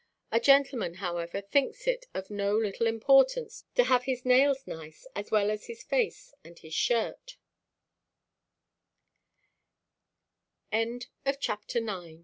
A gentleman, however, thinks it of no little importance to have his nails nice as well as his face and his s